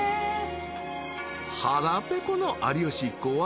［腹ぺこの有吉一行は］